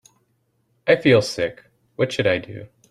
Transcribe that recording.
I feel sick, what should I do?